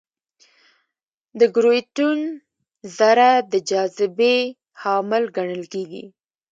د ګرویتون ذره د جاذبې حامل ګڼل کېږي.